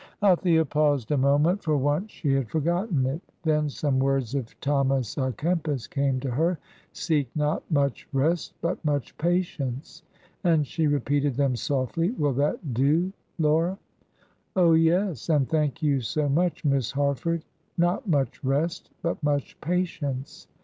Althea paused a moment. For once she had forgotten it. Then some words of Thomas à Kempis came to her, "Seek not much rest, but much patience," and she repeated them softly. "Will that do, Laura?" "Oh, yes and thank you so much, Miss Harford. 'Not much rest, but much patience.'